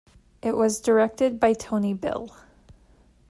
It was directed by Tony Bill.